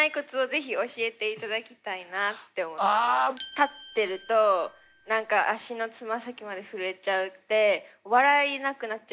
立ってると何か足の爪先まで震えちゃって笑えなくなっちゃうんですよ。